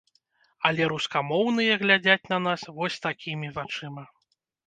Але рускамоўныя глядзяць на нас вось такімі вачыма!